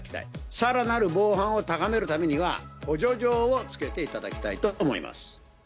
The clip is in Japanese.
さらなる防犯を高めるためには、補助錠を付けていただきたいと思います。